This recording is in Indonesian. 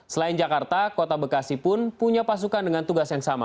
selain jakarta kota bekasi pun punya pasukan dengan tugas yang sama